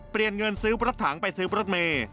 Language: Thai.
เปลี่ยนเงินซื้อปลอดฐังไปซื้อปลอดเมย์